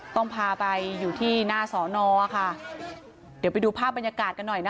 ต้องพาไปอยู่ที่หน้าสอนอค่ะเดี๋ยวไปดูภาพบรรยากาศกันหน่อยนะคะ